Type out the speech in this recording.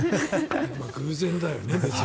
偶然だよね。